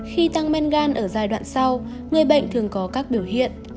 khi tăng men gan ở giai đoạn sau người bệnh thường có các biểu hiện